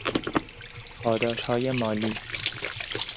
پاداشهای مالی